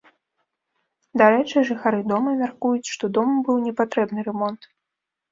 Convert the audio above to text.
Дарэчы, жыхары дома мяркуюць, што дому быў непатрэбны рамонт.